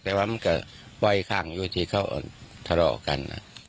แต่ว่ามันก็ปล่อยข้างอยู่ที่เขาทะเลาะกัน